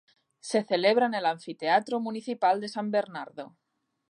Se celebra en el Anfiteatro Municipal de San Bernardo.